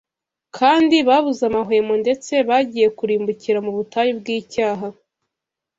kandi babuze amahwemo ndetse bagiye kurimbukira mu butayu bw’icyaha